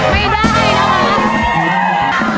ไม่ได้นะคะ